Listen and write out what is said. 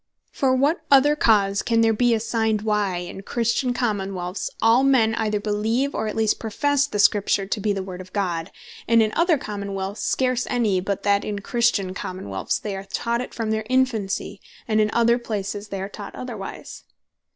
For what other cause can there bee assigned, why in Christian Common wealths all men either beleeve, or at least professe the Scripture to bee the Word of God, and in other Common wealths scarce any; but that in Christian Common wealths they are taught it from their infancy; and in other places they are taught otherwise?